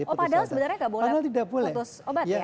oh padahal sebenarnya nggak boleh putus obat ya